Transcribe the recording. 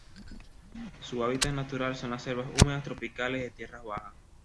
Su hábitat natural son las selvas húmedas tropicales de tierras bajas.